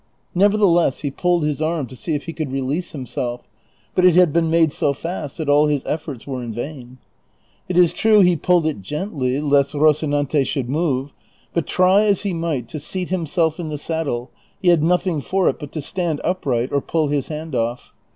Nevertheless he pulled his arm to see if he could release him self, but it had been inade so fast that all his efforts were in vain. It is true he pulled it gently lest Ivocinante should luove, but try as he might to seat himself in the saddle, he had nothing for it but to stand upright or pull his hand off.